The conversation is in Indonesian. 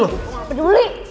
gue gak peduli